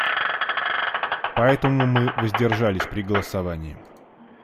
Поэтому мы воздержались при голосовании.